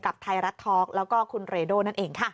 ไทยรัฐทอล์กแล้วก็คุณเรโดนั่นเองค่ะ